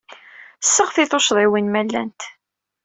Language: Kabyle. Sseɣti tuccḍiwin ma llant.